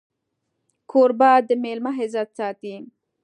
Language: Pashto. کوربه د مېلمه عزت ساتي.